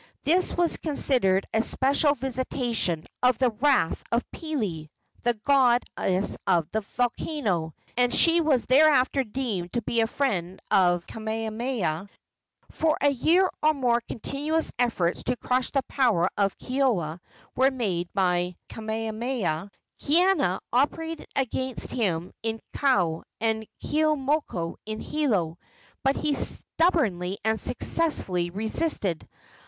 This was considered a special visitation of the wrath of Pele, the goddess of the volcano, and she was thereafter deemed to be the friend of Kamehameha. For a year or more continuous efforts to crush the power of Keoua were made by Kamehameha. Kaiana operated against him in Kau, and Keeaumoku in Hilo, but he stubbornly and successfully resisted.